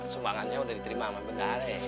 sumbangannya sudah diterima sama benare